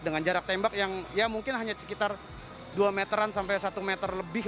dengan jarak tembak yang ya mungkin hanya sekitar dua meteran sampai satu meter lebih